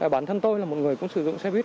bản thân tôi là một người cũng sử dụng xe buýt